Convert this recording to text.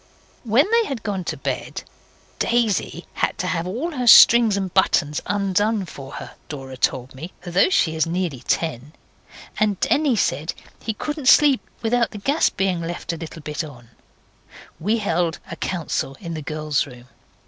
When they had gone to bed (Daisy had to have all her strings and buttons undone for her, Dora told me, though she is nearly ten, and Denny said he couldn't sleep without the gas being left a little bit on) we held a council in the girls' room.